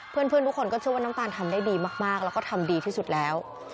เพื่อนทุกคนก็เชื่อว่าน้ำตาลทำได้ดีมากแล้วก็ทำดีที่สุดแล้ว